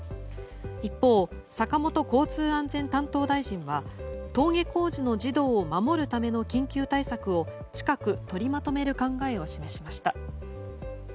一方、坂本交通安全担当大臣は登下校時の児童を守るための緊急対策を近く取りまとめる考えを示しました。